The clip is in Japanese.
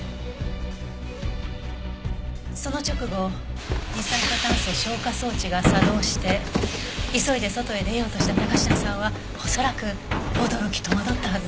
その直後二酸化炭素消火装置が作動して急いで外へ出ようとした高階さんは恐らく驚き戸惑ったはずです。